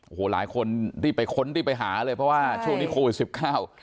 โอ้โหหลายคนรีบไปค้นรีบไปหาเลยเพราะว่าช่วงนี้โควิดสิบเก้า